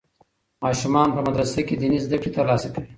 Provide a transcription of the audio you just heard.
ماشومان په مدرسه کې دیني زده کړې ترلاسه کوي.